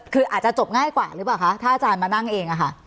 คืออาจจะจบง่ายกว่าหรือเปล่าคะถ้าอาจารย์มานั่งเองอะค่ะ